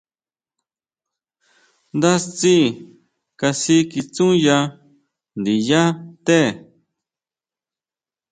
Ndá tsí kasikitsúya ndiyá té.